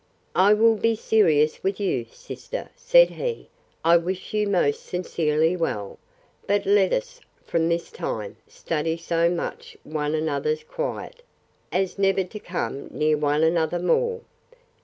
I will be serious with you, sister, said he: I wish you most sincerely well; but let us, from this time, study so much one another's quiet, as never to come near one another more.